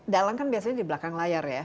dalang kan biasanya di belakang layar ya